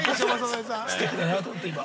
◆すてきだなと思って、今。